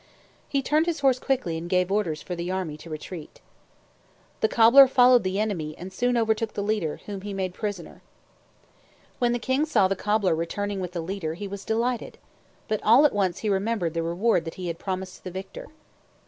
He turned his horse quickly and gave orders for the army to retreat. The cobbler followed the enemy and soon overtook the leader, whom he made prisoner. When the king saw the cobbler returning with the leader, he was delighted. But all at once he remembered the reward that he had promised to the victor.